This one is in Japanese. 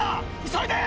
急いで！